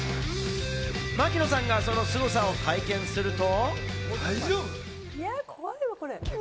槙野さんがそのすごさを体験すると。